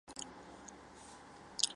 茶卡高原鳅为鳅科高原鳅属的鱼类。